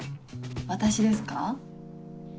私ですか？